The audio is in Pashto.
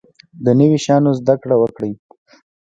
د نوي شیانو زده کړه وکړئ